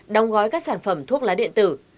đóng gói các sản phẩm thuốc lá điện tử